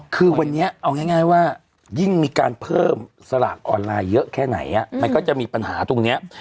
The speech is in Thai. คือวันนี้เอาง่ายว่ายิ่งมีการเพิ่มสลากออนไลน์เยอะแค่ไหนมันก็จะมีปัญหาตรงนี้